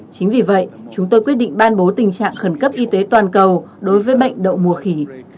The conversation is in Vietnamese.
chính vì vậy chúng tôi quyết định ban bố tình trạng khẩn cấp y tế toàn cầu đối với bệnh đậu mùa khỉ